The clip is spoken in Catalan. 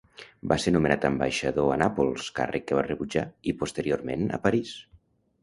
Va ser nomenat ambaixador a Nàpols, càrrec que va rebutjar, i posteriorment a París.